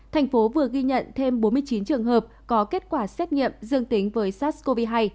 thành phố vừa ghi nhận thêm bốn mươi chín trường hợp có kết quả xét nghiệm dương tính với sars cov hai